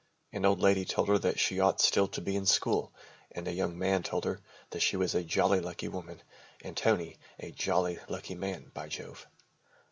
An old lady told her that she ought still to be in school and a young man told her that she was a jolly lucky woman and Tony a jolly lucky man, by Jove.